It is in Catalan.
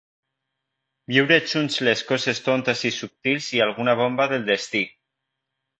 Viure junts les coses tontes i subtils i alguna bomba del destí.